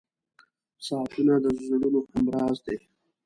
• ساعتونه د زړونو همراز دي.